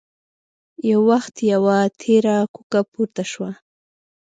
يو وخت يوه تېره کوکه پورته شوه.